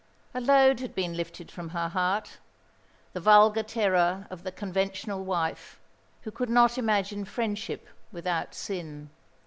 A load had been lifted from her heart, the vulgar terror of the conventional wife, who could not imagine friendship without sin.